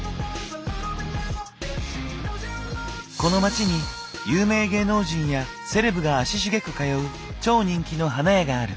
この街に有名芸能人やセレブが足しげく通う超人気の花屋がある。